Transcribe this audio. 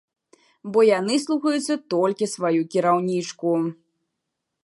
Бо яны слухаюцца толькі сваю кіраўнічку.